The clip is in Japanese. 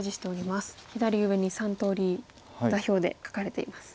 左上に３通り座標で書かれています。